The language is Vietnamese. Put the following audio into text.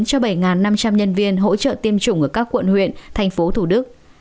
cho bảy năm trăm linh nhân viên hỗ trợ tiêm chủng ở các quận huyện thành phố thủ đức